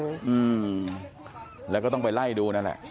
อืมแล้วก็ต้องไปไล่ดูนั่นแหละ